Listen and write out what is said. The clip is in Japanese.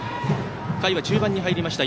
回は中盤に入りました。